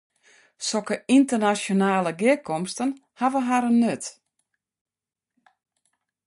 Sokke ynternasjonale gearkomsten hawwe harren nut.